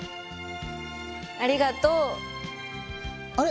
ありがとう。あれ？